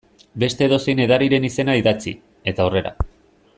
Beste edozein edariren izena idatzi, eta aurrera.